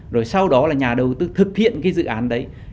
rồi sau đó là nhà đầu tư thực hiện cái dự án đấy